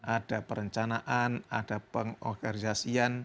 ada perencanaan ada pengorganisasian